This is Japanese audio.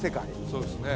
「そうですね」